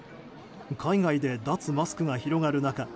海外で脱マスクが広がる中